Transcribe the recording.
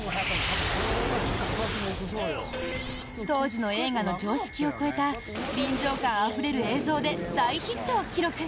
当時の映画の常識を超えた臨場感あふれる映像で大ヒットを記録！